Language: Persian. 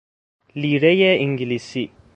لیرۀ انگلیسی